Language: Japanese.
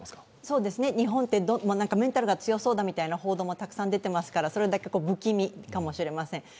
日本って、メンタルが強そうだみたいな報道がたくさん出てますからそれだけ不気味かもしれません。